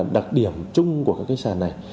đặc điểm chung của các sản này